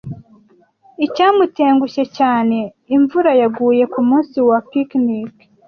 Icyamutengushye cyane, imvura yaguye kumunsi wa picnic.